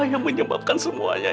apa yang menyebubkan semuanya ini